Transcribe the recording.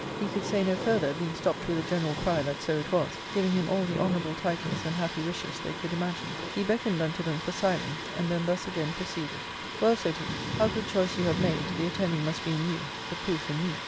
He could say no further, being stopped with a general cry that so it was, giving him all the honourable titles and happy wishes they could imagine. He beckoned unto them for silence, and then thus again proceeded; "Well," said he, "how good choice you have made, the attending must be in you — the proof in me.